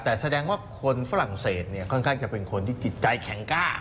แต่แสดงว่าคนฝรั่งเศสเนี่ยค่อนข้างจะเป็นคนที่จิตใจแข็งกล้า